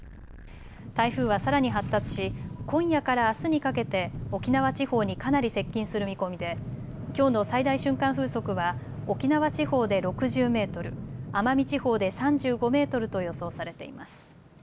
台風はさらに発達し今夜からあすにかけて沖縄地方にかなり接近する見込みできょうの最大瞬間風速は沖縄地方で６０メートル、奄美地方で３５メートルと予想されています。